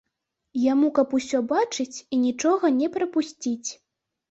Яму каб усё бачыць і нічога не прапусціць.